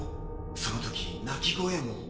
そのとき鳴き声も。